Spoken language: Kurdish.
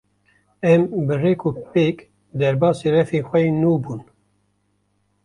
Em bi rêk û pêk derbasî refên xwe yên nû bûn.